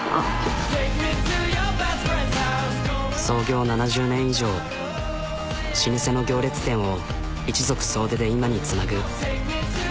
創業７０年以上老舗の行列店を一族総出で今につなぐ。